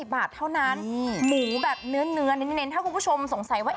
บาทเท่านั้นหมูแบบเนื้อเน้นถ้าคุณผู้ชมสงสัยว่า